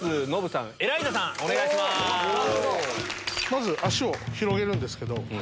まず足を広げるんですけど。